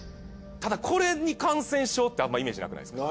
ただこれに感染症ってあんまイメージなくないですか？